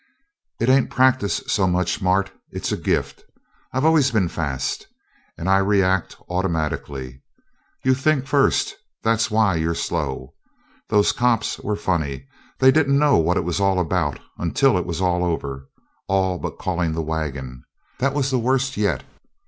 "It ain't practice so much, Mart it's a gift. I've always been fast, and I react automatically. You think first, that's why you're slow. Those cops were funny. They didn't know what it was all about until it was all over all but calling the wagon. That was the worst yet.